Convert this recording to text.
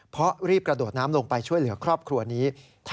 เพราะรีบกระโดดน้ำลงไปช่วยเหลือครอบครัวนี้